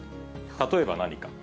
例えば何か。